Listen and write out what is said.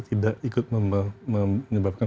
tidak ikut menyebabkan